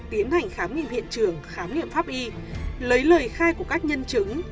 tiến hành khám nghiệm hiện trường khám nghiệm pháp y lấy lời khai của các nhân chứng